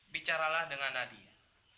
bicaralah dengan nadia